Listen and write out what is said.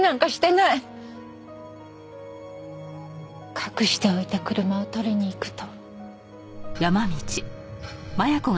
隠しておいた車を取りに行くと。